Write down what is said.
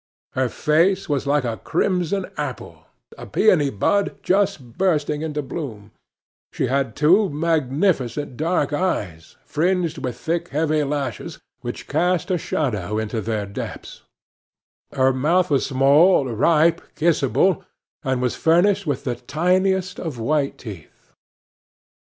Her face was like a crimson apple, a peony bud just bursting into bloom; she had two magnificent dark eyes, fringed with thick, heavy lashes, which cast a shadow into their depths; her mouth was small, ripe, kissable, and was furnished with the tiniest of white teeth.